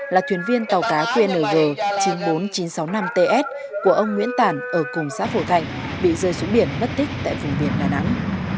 là thuyền viên tàu cá qng chín mươi bốn nghìn chín trăm sáu mươi năm ts của ông nguyễn tản ở cùng xã phổ thạnh bị rơi xuống biển mất tích tại vùng biển đà nẵng